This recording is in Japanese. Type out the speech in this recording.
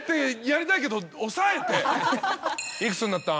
「幾つになった？」